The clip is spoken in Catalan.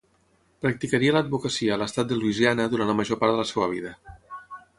Practicaria l'advocacia a l'estat de Louisiana durant la major part de la seva vida.